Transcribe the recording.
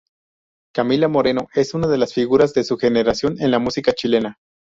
Camila Moreno es una de las figuras de su generación en la música chilena.